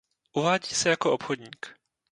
Uvádí se jako obchodník.